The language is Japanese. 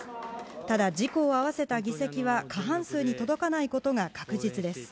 ただ、自公合わせた議席は過半数に届かないことが確実です。